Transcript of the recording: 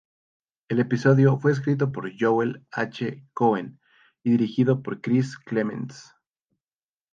El episodio fue escrito por Joel H. Cohen y dirigido por Chris Clements.